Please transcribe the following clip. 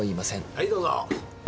・はいどうぞ。